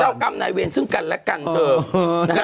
เจอกรรมในเวรซึ่งกันและกันเถอะ